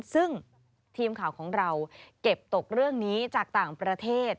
ซึ่งทีมข่าวของเราเก็บตกเรื่องนี้จากต่างประเทศ